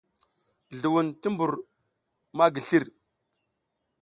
Zluwun ti mbur ma slir.